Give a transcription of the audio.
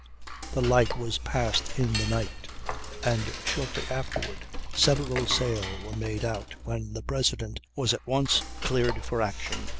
The light was passed in the night, and shortly afterward several sail were made out, when the President was at once cleared for action.